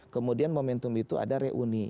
kemudian momentum itu ada reuni